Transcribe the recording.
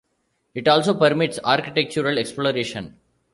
It also permits architectural exploration.